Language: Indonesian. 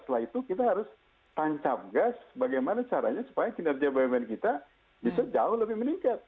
setelah itu kita harus tancap gas bagaimana caranya supaya kinerja bmn kita bisa jauh lebih meningkat